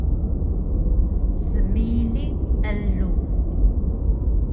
Smiling elug